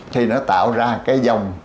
thì nó tạo ra cái dòng